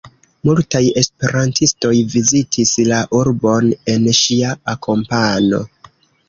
Multaj esperantistoj vizitis la urbon en ŝia akompano.